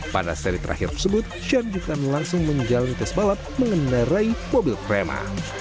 pada seri terakhir tersebut shan juga langsung menjalani tes balap mengendarai mobil prema